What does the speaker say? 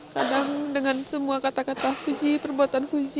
kadang dengan semua kata kata fuji perbuatan puji